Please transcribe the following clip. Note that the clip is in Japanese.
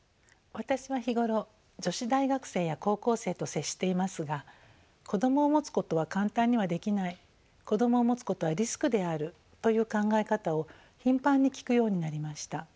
私は日頃女子大学生や高校生と接していますが子どもを持つことは簡単にはできない子どもを持つことはリスクであるという考え方を頻繁に聞くようになりました。